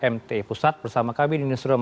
mt pusat bersama kami di newsroom